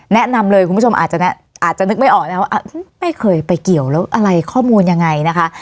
แนะนำเลยคุณผู้ชมอาจจะนึกไม่ออกนะว่าไม่เคยไปเกี่ยวแล้วอะไรข้อมูลยังไงนะคะ